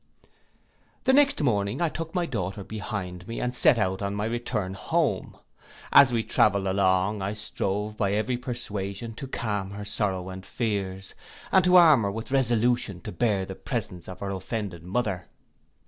The next morning I took my daughter behind me, and set out on my return home. As we travelled along, I strove, by every persuasion, to calm her sorrows and fears, and to arm her with resolution to bear the presence of her offended mother.